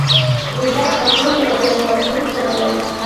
غوریان د غور یوه ډېره لرغونې کورنۍ ده.